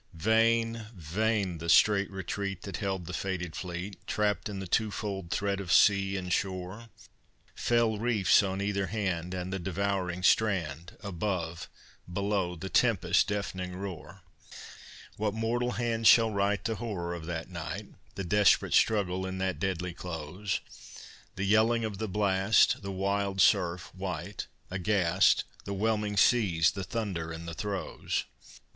Vain, vain the strait retreat That held the fated fleet, Trapped in the two fold threat of sea and shore! Fell reefs on either hand, And the devouring strand! Above, below, the tempest's deafening roar! What mortal hand shall write The horror of that night, The desperate struggle in that deadly close, The yelling of the blast, The wild surf, white, aghast, The whelming seas, the thunder and the throes!